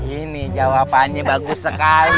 ini jawabannya bagus sekali